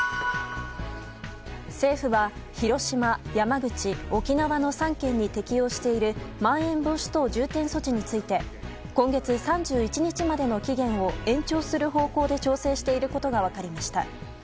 政府は広島、山口、沖縄の３県に適用しているまん延防止等重点措置について今月３１日までの期限を延長する方向で調整していることが分かりました。